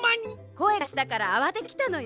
こえがしたからあわててきたのよ。